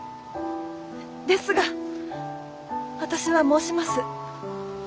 ですが私は申します。